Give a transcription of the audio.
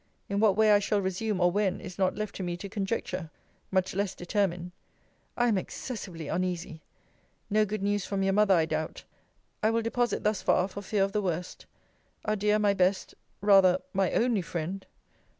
In what way I shall resume, or when, is not left to me to conjecture; much less determine. I am excessively uneasy! No good news from your mother, I doubt! I will deposit thus far, for fear of the worst. Adieu, my best, rather, my only friend!